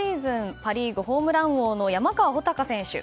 パ・リーグホームラン王の山川穂高選手。